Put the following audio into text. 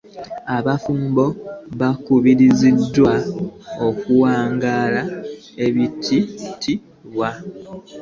Abafumbo bakubiriziddwa okuwangana ekitiibwa